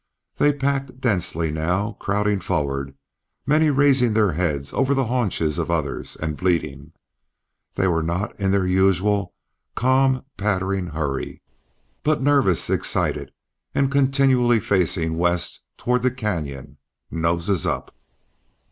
They packed densely now, crowding forward, many raising their heads over the haunches of others and bleating. They were not in their usual calm pattering hurry, but nervous, excited, and continually facing west toward the canyon, noses up.